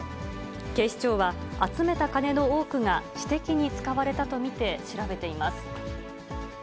警視庁は、集めた金の多くが私的に使われたと見て調べています。